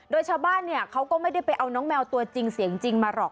โดยชาวบ้านเนี่ยเขาก็ไม่ได้ไปเอาน้องแมวตัวจริงเสียงจริงมาหรอก